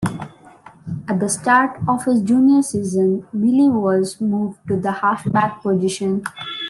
At the start of his junior season, Mili was moved to the half-back position.